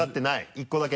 １個だけ？